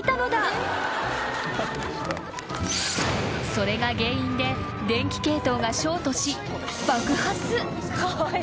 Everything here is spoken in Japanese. ［それが原因で電気系統がショートし爆発］